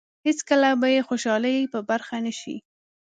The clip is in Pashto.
هېڅکله به یې خوشالۍ په برخه نه شي.